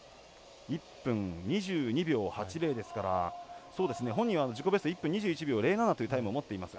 １分２２秒８０ですから本人は自己ベスト１分２１秒０７というタイムを持っています。